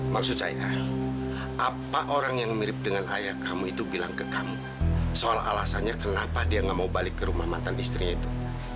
maksud saya apa orang yang mirip dengan ayah kamu itu bilang ke kamu soal alasannya kenapa dia nggak mau balik ke rumah mantan istrinya itu